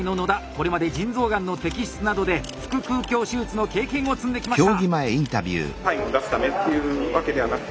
これまで腎臓がんの摘出などで腹腔鏡手術の経験を積んできました！